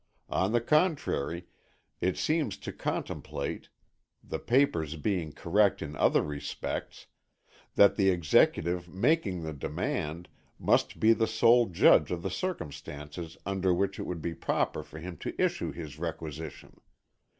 On the contrary, it seems to contemplate, the papers being correct in other respects, that the Executive making the demand, must be the sole Judge of the circumstances under which it would be proper for him to issue his requisition.